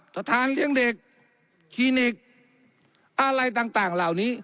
สถานเลี้ยงเด็กคลินิกอะไรต่างเหล่านี้